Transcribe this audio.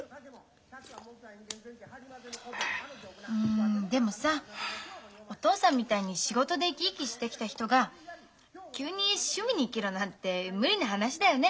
んでもさお父さんみたいに仕事で生き生きしてきた人が急に趣味に生きろなんて無理な話だよね。